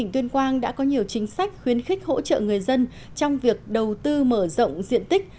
tuyên quang đã có nhiều chính sách khuyến khích hỗ trợ người dân trong việc đầu tư mở rộng diện tích